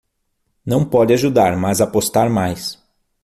Não pode ajudar, mas apostar mais